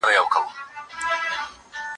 په کور کې ناسم کارونه نه ترسره کېږي.